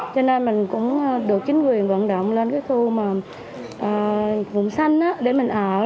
cho nên mình cũng được chính quyền vận động lên cái khu mà vùng xanh để mình ở